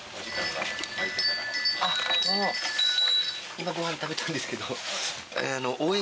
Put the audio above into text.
今ご飯食べたんですけど大江